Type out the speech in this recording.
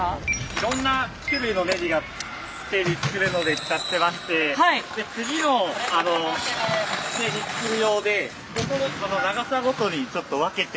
いろんな種類のネジがステージ作るので使ってまして次のステージ作る用で長さごとにちょっと分けて。